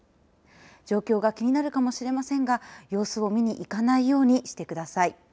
状況が気になるかもしれませんが様子を見に行かないようにしてください。